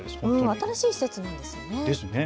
新しい施設なんですよね。